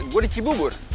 gua di cibubur